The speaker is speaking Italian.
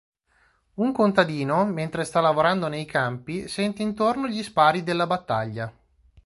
Un contadino, mentre sta lavorando nei campi, sente intorno gli spari della battaglia.